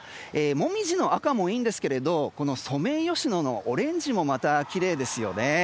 モミジの赤もいいんですけどソメイヨシノのオレンジもまたきれいですよね。